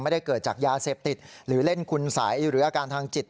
ไม่ได้เกิดจากยาเสพติดหรือเล่นคุณสัยหรืออาการทางจิต